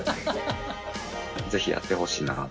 ぜひやってほしいなと。